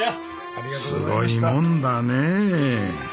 すごいもんだねえ。